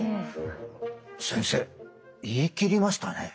先生言い切りましたね。